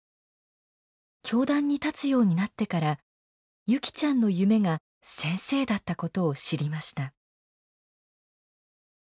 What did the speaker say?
教壇に立つようになってから優希ちゃんの夢が先生だったことを知りました。